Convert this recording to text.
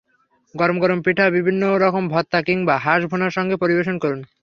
গরম গরম পিঠা বিভিন্ন রকম ভর্তা কিংবা হাঁস ভুনার সঙ্গে পরিবেশন করুন।